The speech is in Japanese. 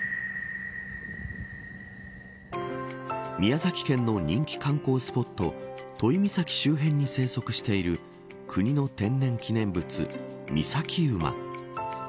宮崎県の人気観光スポット都井岬周辺に生息している国の天然記念物御崎馬。